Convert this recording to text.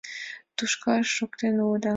Тушкак шуктен улыда...